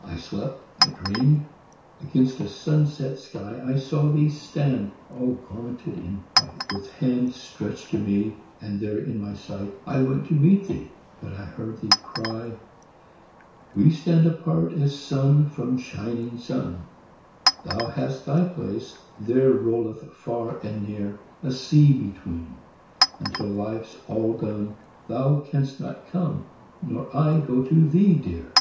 I slept; I dreamed. Against a sunset sky I saw thee stand all garmented in white; With hand stretched to me, and there in thy sight I went to meet thee; but I heard thee cry: "We stand apart as sun from shining sun; Thou hast thy place; there rolleth far and near A sea between; until life's all be done Thou canst not come, nor I go to thee, dear."